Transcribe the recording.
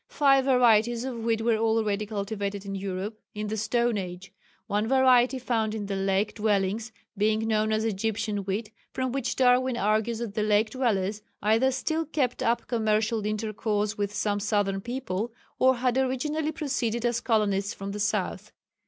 Five varieties of wheat were already cultivated in Europe in the stone age one variety found in the "Lake dwellings" being known as Egyptian wheat, from which Darwin argues that the Lake dwellers "either still kept up commercial intercourse with some southern people, or had originally proceeded as colonists from the south."